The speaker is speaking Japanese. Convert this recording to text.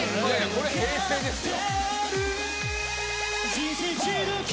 「これ平成ですよ」